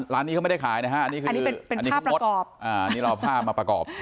ร้านนี้ก็ไม่ได้ขายนะครับอันนี้เอาพาบมาประกอบ